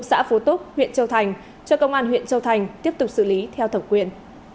xã phú túc huyện châu thành cho công an huyện châu thành tiếp tục xử lý theo thẩm quyền